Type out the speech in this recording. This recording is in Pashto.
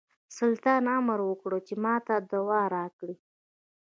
سلطان امر وکړ چې ماته دوا راکړي.